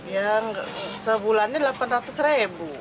ya sebulannya rp delapan ratus